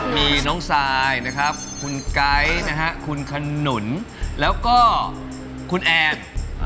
มีน้องซายนะครับคุณไก๊นะฮะคุณขนุนแล้วก็คุณแอน